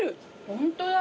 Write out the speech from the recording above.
・ホントだ。